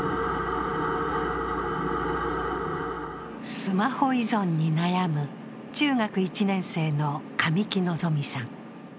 スマホ依存に悩む中学１年生の神木希さん。